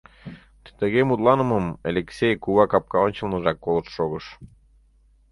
Тыге мутланымым Элексей кува капка ончылныжак колышт шогыш.